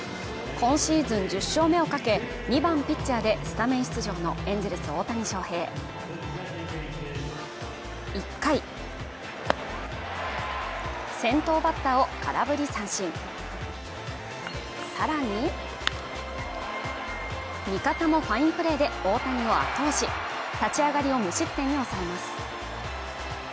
今シーズン１０勝目をかけ２番・ピッチャーでスタメン出場のエンゼルス・大谷翔平１回先頭バッターを空振り三振さらに味方もファインプレーで大谷は投手立ち上がりを無失点に抑えます